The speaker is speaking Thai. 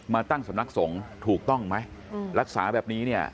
มาตั้งสำนักสงฆ์ถูกต้องไหมรักษาแบบนี้เนี่ย